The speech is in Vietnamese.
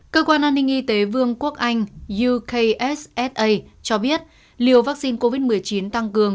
cơ quan an ninh y tế vương quốc anh yukssa cho biết liều vaccine covid một mươi chín tăng cường